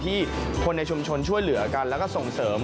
ที่คนในชุมชนช่วยเหลือกันแล้วก็ส่งเสริม